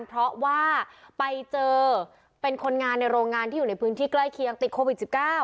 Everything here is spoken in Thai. เพราะว่าไปเจอเป็นคนงานในโรงงานที่อยู่ในพื้นที่ใกล้เคียงติดโควิด๑๙